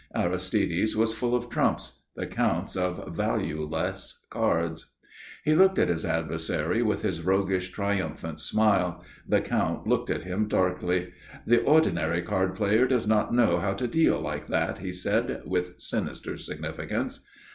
Aristide's was full of trumps, the Count's of valueless cards. He looked at his adversary with his roguish, triumphant smile. The Count looked at him darkly. "The ordinary card player does not know how to deal like that," he said with sinister significance.